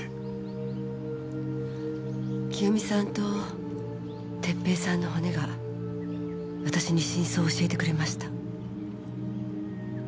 清美さんと哲平さんの骨が私に真相を教えてくれました。